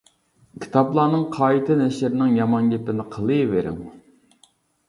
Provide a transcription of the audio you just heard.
كىتابلارنىڭ قايتا نەشرىنىڭ يامان گېپىنى قىلىۋېرىڭ.